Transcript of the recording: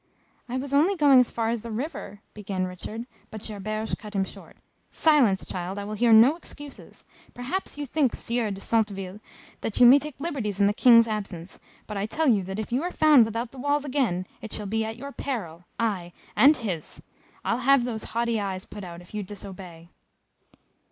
"I was only going as far as the river " began Richard, but Gerberge cut him short. "Silence, child I will hear no excuses. Perhaps you think, Sieur de Centeville, that you may take liberties in the King's absence, but I tell you that if you are found without the walls again, it shall be at your peril; ay, and his! I'll have those haughty eyes put out, if you disobey!"